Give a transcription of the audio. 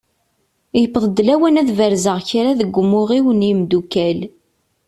Yewweḍ-d lawan ad berzeɣ kra deg umuɣ-iw n yemdukal.